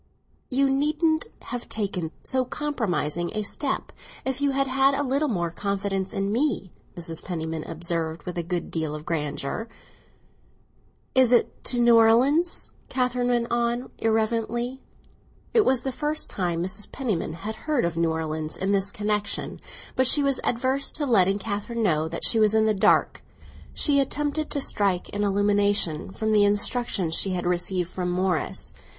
"You needn't have taken so compromising a step if you had had a little more confidence in me," Mrs. Penniman observed, with a good deal of grandeur. "Is it to New Orleans?" Catherine went on irrelevantly. It was the first time Mrs. Penniman had heard of New Orleans in this connexion; but she was averse to letting Catherine know that she was in the dark. She attempted to strike an illumination from the instructions she had received from Morris.